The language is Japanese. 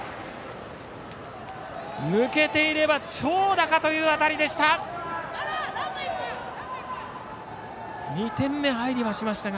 抜けていれば長打かという当たりでした。